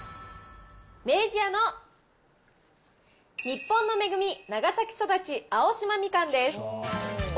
明治屋の日本のめぐみ長崎育ち青島みかんです。